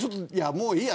もういいわ。